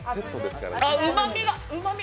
うまみが、うまみ！